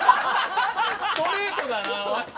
ストレートだなおい！